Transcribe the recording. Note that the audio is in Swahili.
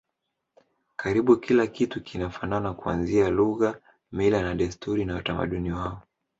Karibu kila kitu kinafanana kuanzia lugha mila na desturi na utamaduni wao